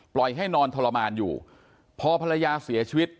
ให้นอนทรมานอยู่พอภรรยาเสียชีวิต